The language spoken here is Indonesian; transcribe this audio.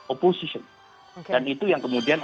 oposition dan itu yang kemudian